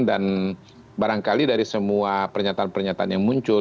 dan barangkali dari semua pernyataan pernyataan yang muncul